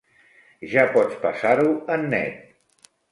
Ja pots passar-ho en net.